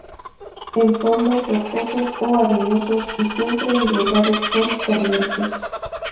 En fondos rocosos o arenosos, y siempre en lugares con corrientes.